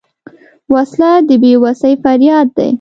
وسله د بېوسۍ فریاد دی